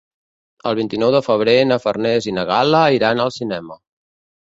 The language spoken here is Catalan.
El vint-i-nou de febrer na Farners i na Gal·la iran al cinema.